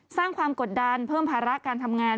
สร้างความกดดันเพิ่มภาระการทำงาน